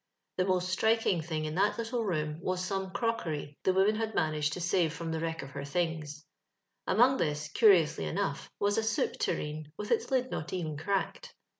The most striking thing in that litde room was some crockery, the woman had managed to save from the wreck of her things; among this, curiously enough, was a soup tureen, with its lid not even cracked.